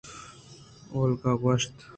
اولگاءَ گوٛشت